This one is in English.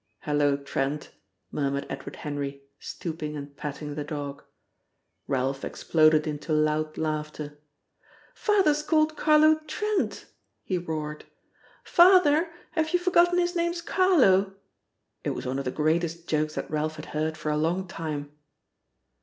"Hello, Trent!" murmured Edward Henry, stooping and patting the dog. Ralph exploded into loud laughter. "Father's called Carlo 'Trent,'" he roared. "Father, have you forgotten his name's Carlo?" It was one of the greatest jokes that Ralph had heard for a long time.